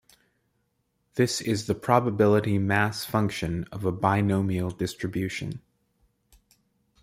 This is the probability mass function of a binomial distribution.